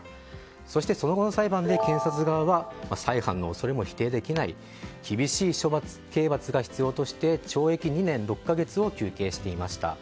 そして、その後の裁判で検察側は再犯の恐れも否定できない厳しい刑罰が必要として懲役２年６か月を求刑していました。